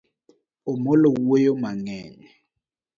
Omolo wuoyo mang'eny.